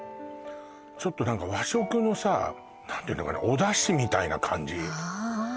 ちょっと何か和食のさ何ていうのかなおだしみたいな感じああ